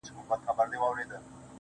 o ما ويل څه به ورته گران يمه زه.